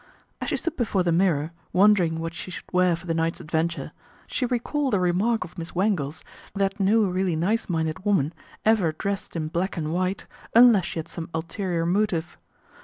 As she stood before the mirror, wondering what she should wear for the night's adventure, she recalled a remark of Miss Wangle's that no really nice minded woman ever dressed in black and white unless she had some ulterior motive.